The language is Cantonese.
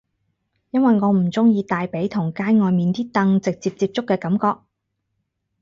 因為我唔鍾意大髀同街外面啲凳直接接觸嘅感覺